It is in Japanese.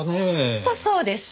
本当そうです！